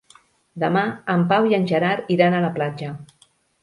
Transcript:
Demà en Pau i en Gerard iran a la platja.